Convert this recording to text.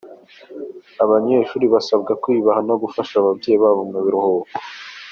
Abanyeshuri basabwa kwiyubaha no gufasha ababyeyi babo mu biruhuko